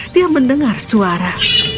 dia mendengar suara